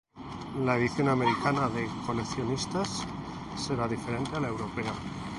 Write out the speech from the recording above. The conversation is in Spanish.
La edición americana de coleccionistas será diferente a la europea.